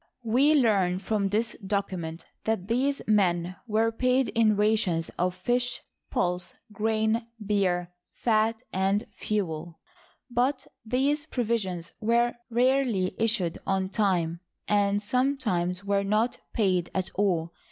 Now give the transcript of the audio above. We learn from this document that these men were paid in rations of fish, pulse, grain, beer, fat, and fuel ; but these provisions were rarely issued on time, and sometimes were not paid at all.